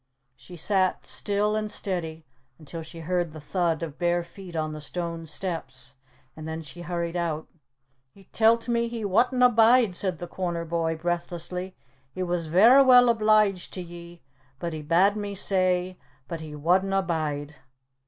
She sat still and steady until she heard the thud of bare feet on the stone steps, and then she hurried out. "He tell't me he wadna bide," said the corner boy breathlessly. "He was vera well obliged to ye, he bad' me say, but he wadna bide."